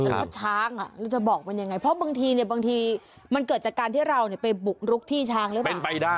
แต่ว่าช้างอ่ะจะบอกมันยังไงเพราะบางทีเนี่ยบางทีมันเกิดจากการที่เราเนี่ยไปบุกลุกที่ช้างแล้วนะ